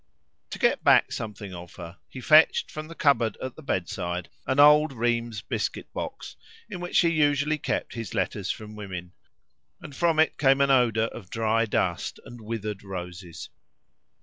To get back something of her, he fetched from the cupboard at the bedside an old Rheims biscuit box, in which he usually kept his letters from women, and from it came an odour of dry dust and withered roses.